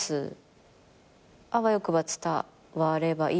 あわよくば伝わればいいな。